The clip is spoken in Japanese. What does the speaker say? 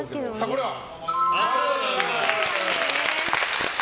これは、○。